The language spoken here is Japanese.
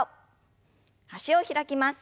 脚を開きます。